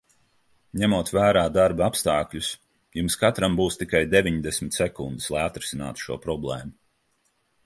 Ņemot vērā darba apstākļus, jums katram būs tikai deviņdesmit sekundes, lai atrisinātu šo problēmu.